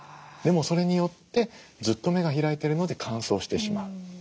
でもそれによってずっと目が開いてるので乾燥してしまう。